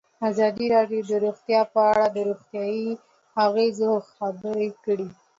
ازادي راډیو د روغتیا په اړه د روغتیایي اغېزو خبره کړې.